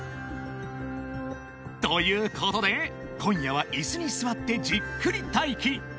［ということで今夜は椅子に座ってじっくり待機］